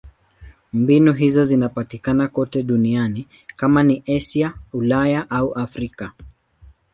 Mbinu hizo zinapatikana kote duniani: kama ni Asia, Ulaya au Afrika.